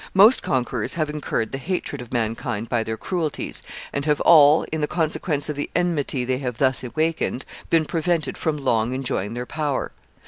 Most conquerors have incurred the hatred of mankind by their cruelties, and have all, in consequence of the enmity they have thus awakened, been prevented from long enjoying their power.